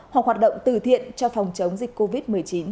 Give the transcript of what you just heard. hoặc hoạt động từ thiện cho phòng chống dịch covid một mươi chín